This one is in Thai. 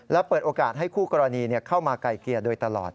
และเปิดโอกาสให้คู่กรณีเข้ามาไก่เกลี่ยโดยตลอด